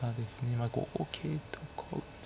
まあ５五桂とか打つ。